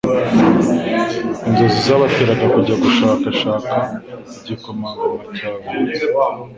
Inzozi zabateraga kujya gushakashaka igikomangoma cyavutse.